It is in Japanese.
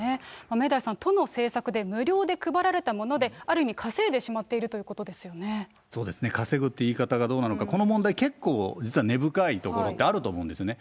明大さん、都の政策で無料で配られたもので、ある意味、稼いでしまっているとそうですね、稼ぐという言い方がどうなのか、この問題、結構、実は根深いところってあると思うんですよね。